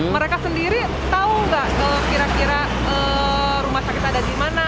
mereka sendiri tahu nggak kira kira rumah sakit ada di mana